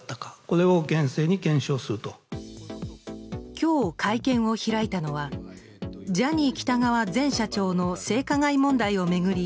今日、会見を開いたのはジャニー喜多川前社長の性加害問題を巡り